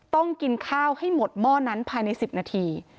ต้องกินข้าวให้หมดหม้อนั้นภายใน๑๐นาที